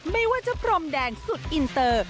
ไม่ว่าจะพรมแดงสุดอินเตอร์